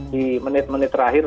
di menit menit terakhir